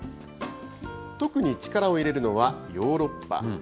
特に力を入れるのは、ヨーロッパ。